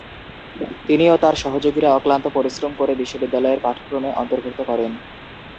তিনি ও তার সহযোগীরা অক্লান্ত পরিশ্রম করে বিশ্ববিদ্যালয়ের পাঠক্রমে অন্তর্ভুক্ত করেন।